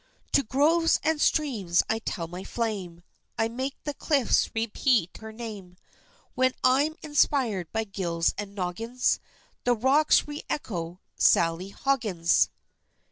To groves and streams I tell my flame, I make the cliffs repeat her name; When I'm inspired by gills and noggins, The rocks re echo Sally Hoggins!